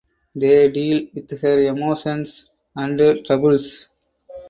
They deal with her emotions and troubles.